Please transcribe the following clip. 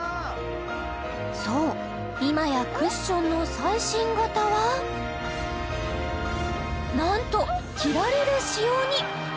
そう今やクッションの最新型はなんと着られる仕様に！